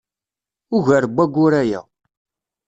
Ugar n wayyur aya.